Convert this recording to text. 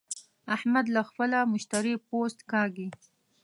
احمد له خپله مشتري پوست کاږي.